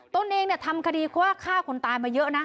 ตนเองทำคดีว่าฆ่าคนตายมาเยอะนะ